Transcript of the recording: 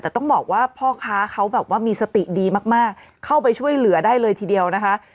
แต่ต้องบอกว่าพ่อค้าเขาแบบว่ามีสติดีมากเข้าไปช่วยเหลือได้เลยทีเดียวนะคะ